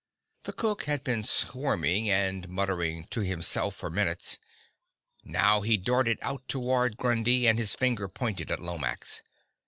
The cook had been squirming and muttering to himself for minutes. Now he darted out toward Grundy, and his finger pointed to Lomax.